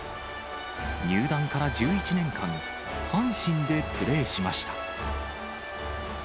入団から１１年間、阪神でプレーしました。